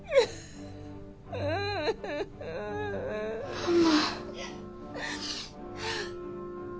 ママ。